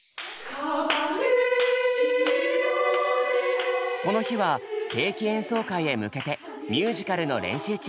この日は定期演奏会へ向けてミュージカルの練習中。